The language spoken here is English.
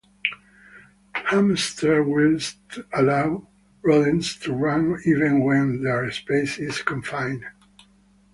Hamster wheels allow rodents to run even when their space is confined.